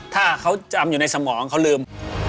ถ้าเขาจำอยู่ในสมองเขาลืม